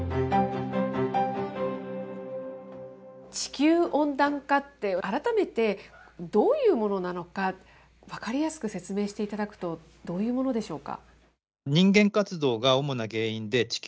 地球温暖化って、改めてどういうものなのか、分かりやすく説明していただくと、どういうものでしょうか。